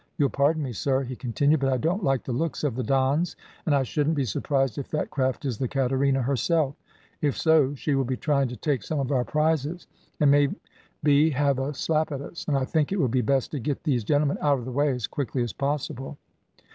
"You'll pardon me, sir," he continued, "but I don't like the looks of the Dons, and I shouldn't be surprised if that craft is the Caterina herself; if so, she will be trying to take some of our prizes; and may be have a slap at us, and I think it will be best to get these gentlemen out of the way, as quickly as possible."